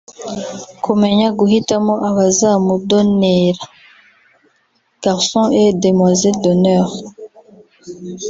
Kumenya guhitamo abazabadonela (garçons et demoiselles d’honneur